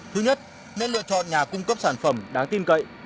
thứ nhất nên lựa chọn nhà cung cấp sản phẩm đáng tin cậy